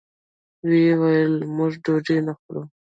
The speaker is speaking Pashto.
ویل یې موږ ډوډۍ نه خورو.